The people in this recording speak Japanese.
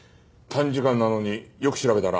短時間なのによく調べたな。